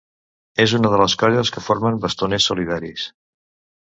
És una de les colles que formen Bastoners Solidaris.